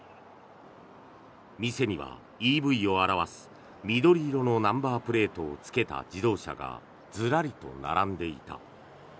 店にはＥＶを表す緑色のナンバープレートをつけた自動車がずらりと並んでいた。